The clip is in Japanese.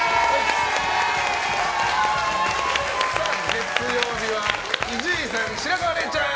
月曜日は伊集院さん、白河れいちゃん。